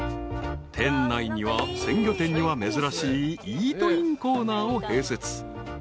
［店内には鮮魚店には珍しいイートインコーナーを併設］